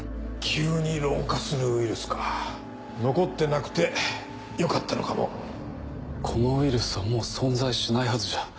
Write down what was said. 急に老化するウイルスか残ってなくてよかったのかもこのウイルスはもう存在しないはずじゃ。